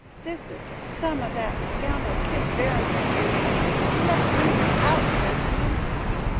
This is some o' that scoundrel Kid Barringer's doin's. Let me out, gentlemen!"